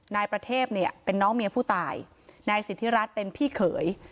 นายประเทพเนี่ยเป็นน้องเมียผู้ตายนายสิทธิรัฐเป็นพี่เขย